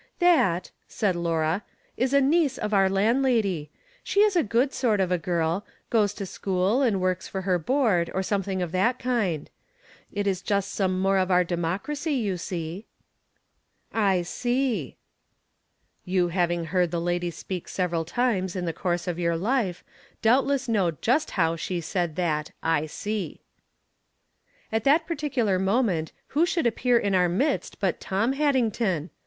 " That," said Laura, " is a niece of our land lady. She is a good sort of a girl ; goes to school, and works for her board, or something of that kind. It is just some more of our democracy, you see." " I see." You having heard the lady speak several times in the course of your life, doubtless know just how she said that "I see." At that particular moment who should appear in our midst but Tom Haddington